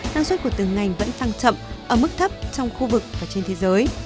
năng suất của từng ngành vẫn tăng chậm ở mức thấp trong khu vực và trên thế giới